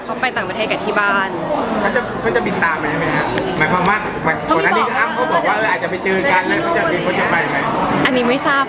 ก็เป็นตะไง